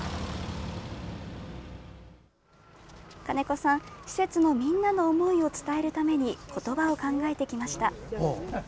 金子さん、施設のみんなの思いを伝えるために言葉を考えてきました。